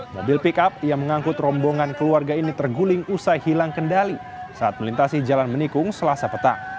mobil pick up yang mengangkut rombongan keluarga ini terguling usai hilang kendali saat melintasi jalan menikung selasa petang